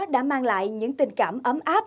đã mang lại những tình cảm ấm áp